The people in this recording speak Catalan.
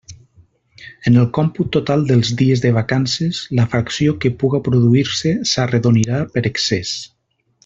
En el còmput total dels dies de vacances, la fracció que puga produir-se s'arredonirà per excés.